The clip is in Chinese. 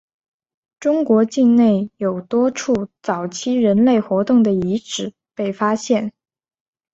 中国境内有多处早期人类活动的遗址被发现。